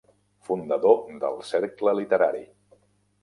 Fundador del Cercle Literari.